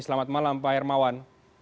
selamat malam pak hermawan